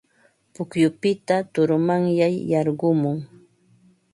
Pukyupita turmanyay yarqumun.